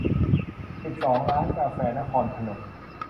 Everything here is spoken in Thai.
สิบสอง ร้านกาแฟนครพนม